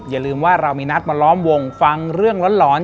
อย่าลืมว่าเรามีนัดมาล้อมวงฟังเรื่องร้อน